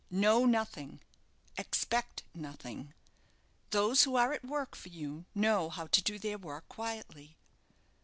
Know nothing expect nothing. Those who are at work for you know how to do their work quietly.